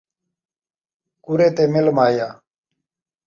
کُرے تے مل ماہیا